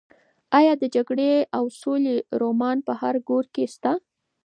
ایا د جګړې او سولې رومان په هر کور کې شته؟